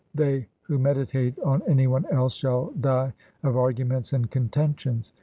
They who meditate on any one else Shall die of arguments and contentions.